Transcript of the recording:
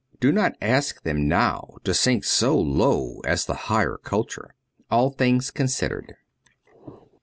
Do not ask them now to sink so low as the higher culture. '^// Things Considered.'